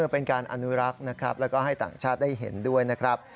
เป็นการอนุรักษ์นะครับแล้วก็ให้ต่างชาติได้เห็นด้วยนะครับ